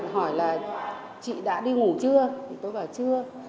hỏi là chị đã đi ngủ chưa tôi bảo chưa